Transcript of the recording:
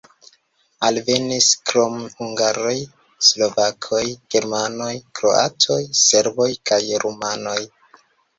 Alvenis krom hungaroj slovakoj, germanoj, kroatoj, serboj kaj rumanoj.